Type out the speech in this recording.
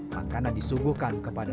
makanan disuguhkan kepada